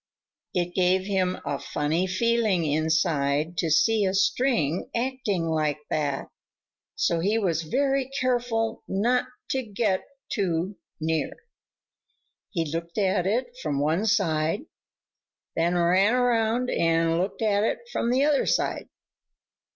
It gave him a funny feeling inside to see a string acting like that, so he was very careful not to get too near. He looked at it from one side, then ran around and looked at it from the other side.